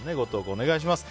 お願いします。